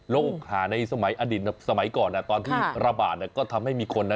โรคหาในสมัยอดีตสมัยก่อนน่ะตอนที่ระบาดน่ะก็ทำให้มีคนนั้น